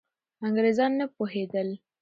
انګریزان نه پوهېدل.